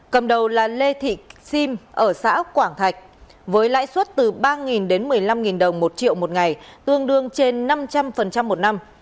cầm đầu là lê thị sim ở xã quảng thạch với lãi suất từ ba đến một mươi năm đồng một triệu một ngày tương đương trên năm trăm linh một năm